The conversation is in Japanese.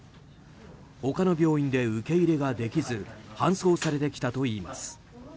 他の病院では受け入れができず搬送されてきたといいます。